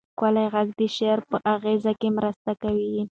ښکلی غږ د شعر په اغېز کې مرسته کوي.